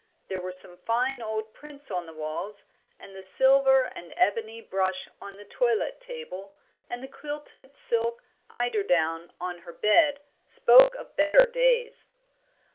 There were some fine old prints on the walls, and the silver and ebony brush on the toilet table, and the quilted silk eiderdown on her bed, spoke of better days.